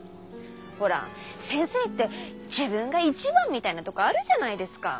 ほら先生って自分が一番みたいなとこあるじゃないですかぁ。